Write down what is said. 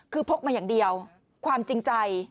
คือพกมาอย่างเดียวความจริงใจ